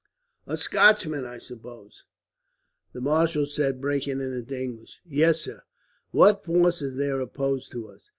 "A Scotchman, I suppose?" the marshal said, breaking into English. "Yes, sir." "What force is there opposed to us?"